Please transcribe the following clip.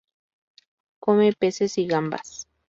Come peces y gambas.